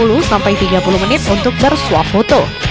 rp tiga puluh rp tiga puluh untuk bersuap foto